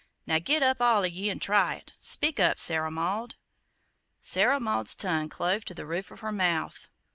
"Now git up, all of ye, an' try it. Speak up, Sarah Maud." Sarah Maud's tongue clove to the roof of her mouth.